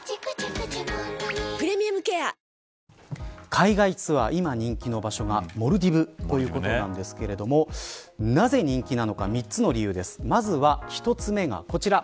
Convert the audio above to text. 海外ツアー今人気の場所がモルディブということなんですがなぜ人気なのか３つの理由です。